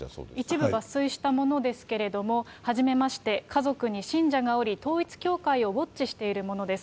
一部抜粋したものですけれども、はじめまして、家族に信者がおり、統一教会をウォッチしている者です。